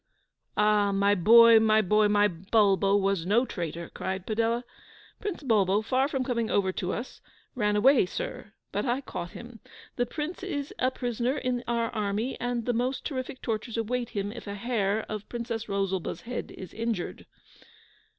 'Ah! my boy, my boy, my Bulbo was no traitor!' cried Padella. 'Prince Bulbo, far from coming over to us, ran away, sir; but I caught him. The Prince is a prisoner in our army, and the most terrific tortures await him if a hair of the Princess Rosalba's head is injured.